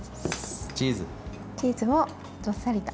チーズもどっさりと。